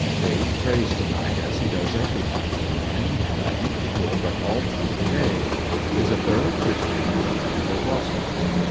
Dave prays to night as he does every night and morning, and I ain't sure but all through the day. Is a thorough Christian if ever there was one.